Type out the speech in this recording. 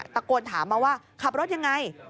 ตะโกนถามมาว่าขับรถยังไง